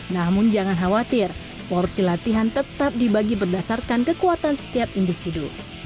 namun jangan khawatir porsi latihan tetap dibagi berdasarkan kekuatan setiap individu